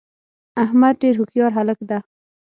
احمدډیرهوښیارهلک ده